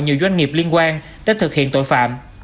nhiều doanh nghiệp liên quan để thực hiện tội phạm